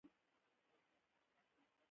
که خلک پوه شول نو لاره سمه ده.